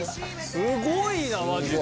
すごいなマジで。